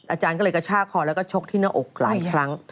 อาจารย์ก็เลยกระชากคอแล้วก็ชกที่หน้าอกหลายครั้ง